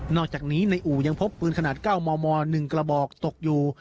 อกจากนี้ในอู่ยังพบปืนขนาด๙มม๑กระบอกตกอยู่